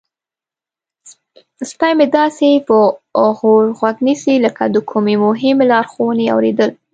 سپی مې داسې په غور غوږ نیسي لکه د کومې مهمې لارښوونې اوریدل.